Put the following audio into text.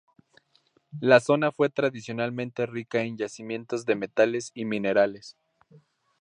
La zona fue tradicionalmente rica en yacimientos de metales y minerales.